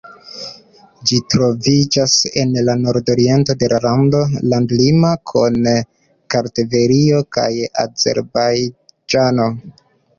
Ĝi troviĝas en la nordoriento de la lando, landlima kun Kartvelio kaj Azerbajĝano.